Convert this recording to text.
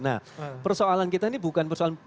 nah persoalan kita ini bukan persoalan